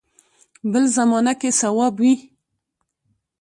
بل زمانه کې صواب وي.